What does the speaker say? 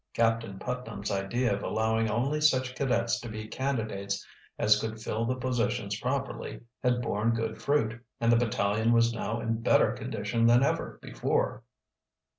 Captain Putnam's idea of allowing only such cadets to be candidates as could fill the positions properly had borne good fruit, and the battalion was now in better condition than ever before.